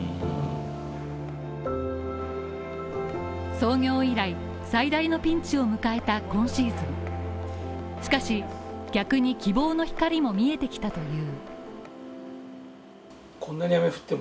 創業以来最大のピンチを迎えた今シーズンしかし、逆に希望の光も見えてきたという。